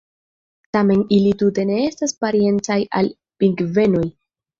Tamen ili tute ne estas parencaj al pingvenoj.